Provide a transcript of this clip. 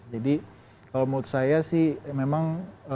jadi kalau menurut saya sih memang